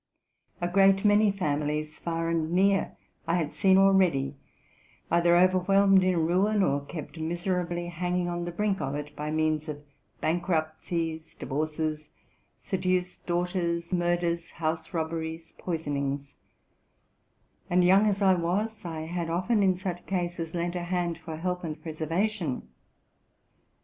A great many families, far and near, I had seen already, either over RELATING TO MY LIFE. 237 whelmed in ruin or kept miserably hanging on the brink of it, by means of bankruptcies, divorces, seduced daughters, murders, house robberies, poisonings ; and, young as i was, I had often, in such cases, lent a hand for help and _preser vation.